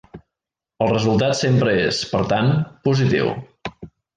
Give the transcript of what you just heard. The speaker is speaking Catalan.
El resultat sempre és per tant, positiu.